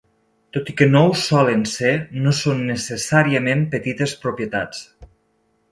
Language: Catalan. Tot i que ho solen ser, no són necessàriament petites propietats.